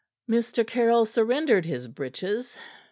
Mr. Caryll surrendered his breeches.